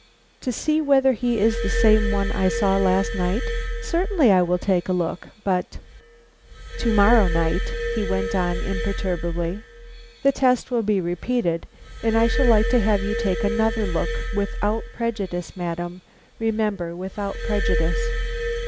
"To see whether he is the same one I saw last night? Certainly I will take a look, but " "To morrow night," he went on, imperturbably, "the test will be repeated, and I should like to have you take another look; without prejudice, madam; remember, without prejudice."